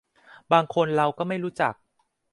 บางคนเราก็ไม่รู้จัก